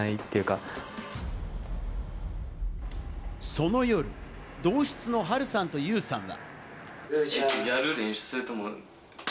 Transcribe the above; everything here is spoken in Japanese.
その夜、同室のハルさんとユウさんは。